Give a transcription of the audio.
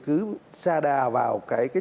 cứ xa đà vào cái